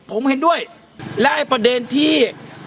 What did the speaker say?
ผมเห็นด้วยและไอ้ประเด็นที่